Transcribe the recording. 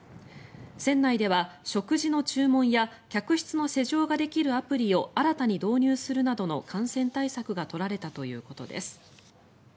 船内では、食事の注文や客室の施錠ができるアプリを新たに導入するなどの感染対策が取られたということです。